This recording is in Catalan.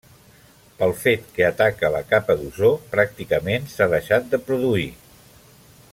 Pel fet que ataca la capa d'ozó pràcticament s'ha deixat de produir.